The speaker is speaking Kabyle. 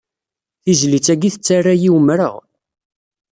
Tizlit ayyi tettara-yi umreɣ.